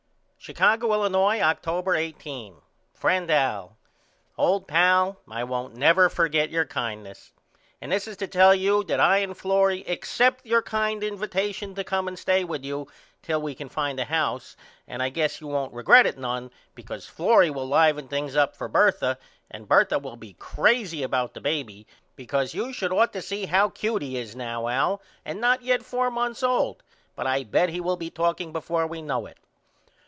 Chicago, Illinois, October 18. FRIEND AL: Old Pal I won't never forget your kindnus and this is to tell you that I and Florrie except your kind invatation to come and stay with you till we can find a house and I guess you won't regret it none because Florrie will livun things up for Bertha and Bertha will be crazy about the baby because you should ought to see how cute he is now Al and not yet four months old. But I bet he will be talking before we know it.